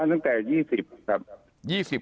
ตั้งแต่๒๐ครับ